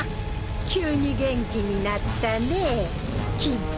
急に元気になったねぇキッド。